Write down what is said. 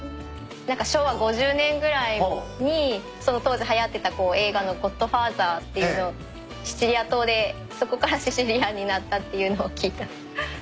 何か昭和５０年ぐらいにその当時はやってた映画の『ゴッドファーザー』っていうのシチリア島でそこからシシリアンになったっていうのを聞いた。